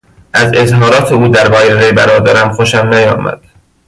از اظهارات او در بارهی برادرم خوشم نیامد.